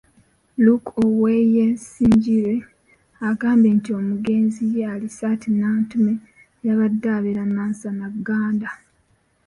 Luke Oweyesigyire agambye nti omugenzi ye Alisat Nantume ng'abadde abeera Nansana Gganda.